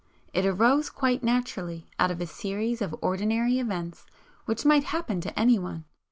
It arose quite naturally out of a series of ordinary events which might happen to anyone.